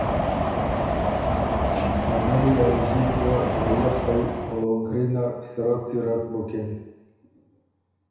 ا ملّی ا وݫي ګه لیۀ خئ او ګری نر سرۀ څیرک بُکن